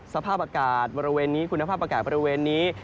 สภาพอากาศบริเวณนี้คุณภาพอากาศบริเวณนี้